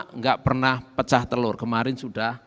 tidak pernah pecah telur kemarin sudah